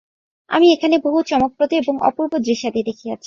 আমি এখানে বহু চমকপ্রদ এবং অপূর্ব দৃশ্যাদি দেখিয়াছি।